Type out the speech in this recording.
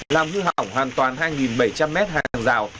làm hư hỏng hoàn toàn hai bảy trăm linh m hàng rào